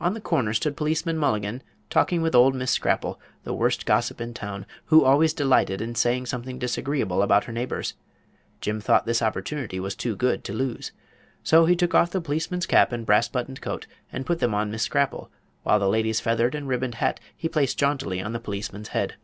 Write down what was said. On the corner stood Policeman Mulligan, talking with old Miss Scrapple, the worst gossip in town, who always delighted in saying something disagreeable about her neighbors. Jim thought this opportunity was too good to lose. So he took off the policeman's cap and brass buttoned coat and put them on Miss Scrapple, while the lady's feathered and ribboned hat he placed jauntily upon the policeman's head.